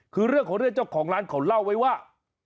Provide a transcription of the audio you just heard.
คือเรื่องของเรื่องเจ้าของร้านเขาเล่าไว้ว่า